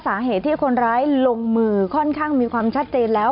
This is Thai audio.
สาเหตุที่คนร้ายลงมือค่อนข้างมีความชัดเจนแล้ว